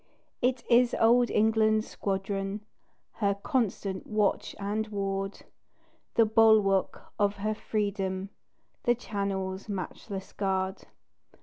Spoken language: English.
It is old England's squadron, Her constant watch and ward The bulwark of her freedom, The Channel's matchless guard.